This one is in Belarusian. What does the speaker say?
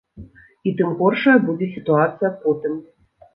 І тым горшая будзе сітуацыя потым.